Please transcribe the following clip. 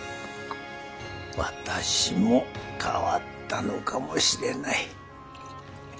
私も変わったのかもしれない。